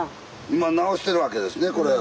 今治してるわけですねこれ。